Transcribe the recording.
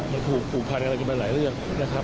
มันผูกพันกันไปอีกหลายเรื่องนะครับ